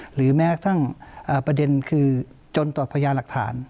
หรือแม้กระทั่งประเด็นคือจนต่อพยานหลักฐาน